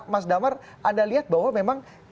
mas damar anda lihat bahwa memang